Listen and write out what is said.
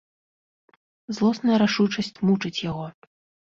Злосная рашучасць мучыць яго.